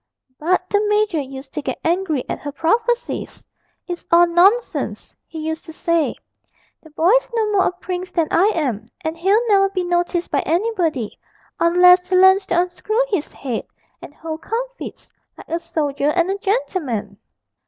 But the major used to get angry at her prophecies: 'It's all nonsense,' he used to say, 'the boy's no more a prince than I am, and he'll never be noticed by anybody, unless he learns to unscrew his head and hold comfits like a soldier and a gentleman!'